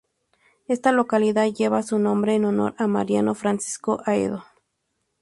Esta localidad lleva su nombre en honor a Mariano Francisco Haedo.